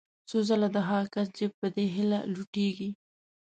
څو ځله د هغه کس جېب په دې هیله لوټېږي.